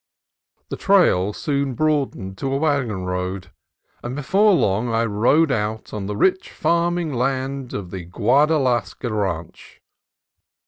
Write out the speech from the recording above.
The trail soon broadened to a wagon road, and be fore long I rode out on the rich farming land of the Guadalasca Ranch.